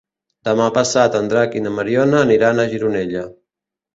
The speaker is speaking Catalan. Demà passat en Drac i na Mariona aniran a Gironella.